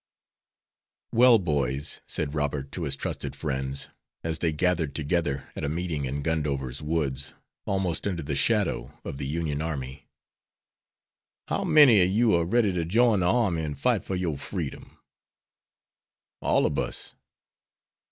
"Well, boys," said Robert to his trusted friends, as they gathered together at a meeting in Gundover's woods, almost under the shadow of the Union army, "how many of you are ready to join the army and fight for your freedom." "All ob us."